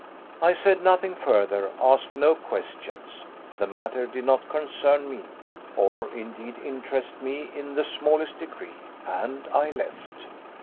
I said nothing further; asked no questions. The matter did not concern me, or indeed interest me in the smallest degree; and I left.